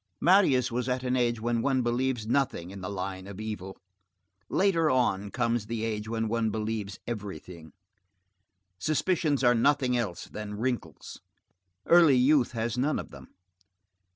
Marius was at an age when one believes nothing in the line of evil; later on comes the age when one believes everything. Suspicions are nothing else than wrinkles. Early youth has none of them.